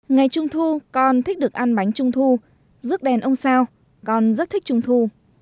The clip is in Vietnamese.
ngày trung thu con thích được ăn bánh trung thu rước đèn ông sao con rất thích trung thu